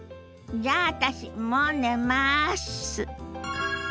じゃあ私もう寝ます。